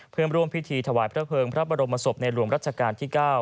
เพื่อร่วมพิธีถวายพระเภิงพระบรมศพในหลวงรัชกาลที่๙